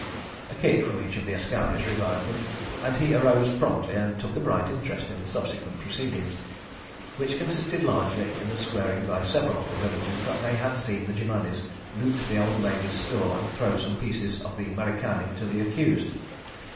A kick from each of the askaris revived him, and he arose promptly and took a bright interest in the subsequent proceedings, which consisted largely in the swearing by several of the villagers that they had seen the Germanis loot the old lady's store and throw some pieces of the 'Mericani to the accused.